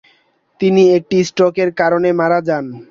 তিনি একটি স্ট্রোকের কারণে মারা যান।